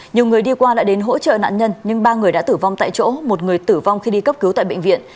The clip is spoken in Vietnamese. nhiều người đi qua đã đến hỗ trợ nạn nhân nhưng ba người đã tử vong tại chỗ một người tử vong khi đi cấp cứu tại bệnh viện